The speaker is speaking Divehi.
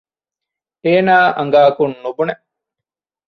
އޭނާ އަނގައަކުން ނުބުނެ